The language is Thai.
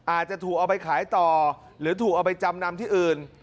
อาจจะถูกเอาไปขายต่อหรือถูกเอาไปจำนำที่อื่น